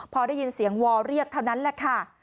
พอได้ยินเสียงวอเรียกเท่านั้นแหละค่ะ